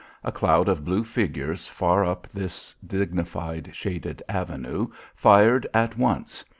A cloud of blue figures far up this dignified shaded avenue, fired at once.